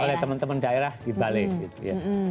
oleh teman teman daerah di balai gitu ya